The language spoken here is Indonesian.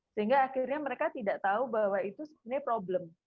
sehingga akhirnya mereka tidak tahu bahwa itu sebenarnya problem